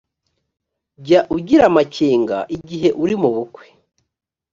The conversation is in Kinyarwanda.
jya ugira amakenga igihe uri mubukwe